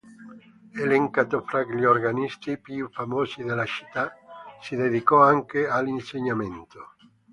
Elencato fra gli organisti più famosi della città, si dedicò anche all'insegnamento.